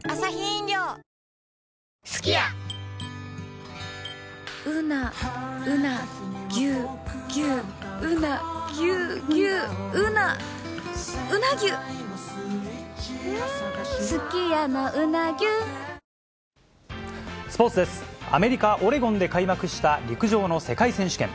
アメリカ・オレゴンで開幕した陸上の世界選手権。